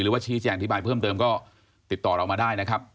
หรือว่าชี้แจงอธิบายเพิ่มเติมก็ติดต่อเรามาได้นะครับ